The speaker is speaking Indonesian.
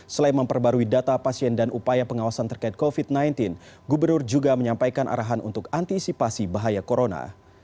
selain memperbarui data pasien dan upaya pengawasan terkait covid sembilan belas gubernur juga menyampaikan arahan untuk antisipasi bahaya corona